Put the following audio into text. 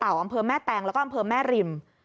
อำเภอแม่แตงแล้วก็อำเภอแม่ริม